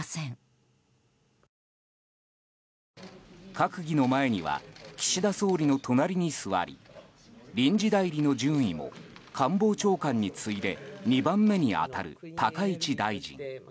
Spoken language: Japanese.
閣議の前には岸田総理の隣に座り臨時代理の順位も官房長官に次いで２番目に当たる高市大臣。